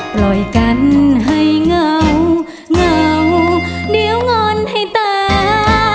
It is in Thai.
ปล่อยกันให้เงาเหงาเดี๋ยวงอนให้ตา